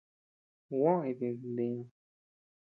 Juó jidis ntiñu.